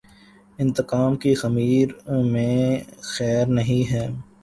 انتقام کے خمیر میںخیر نہیں ہے۔